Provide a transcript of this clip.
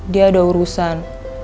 dia ada urusan